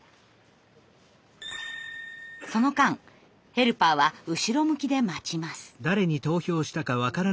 その間ヘルパーは後ろ向きで待ちます。